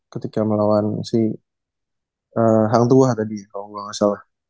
ketika melawan si hang tuah tadi kalo gak salah